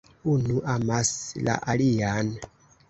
Unu amas la alian.